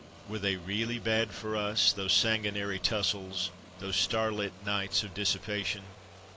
Were they really bad for us, those sanguin ary tussles, those star lit nights of dissipa tion?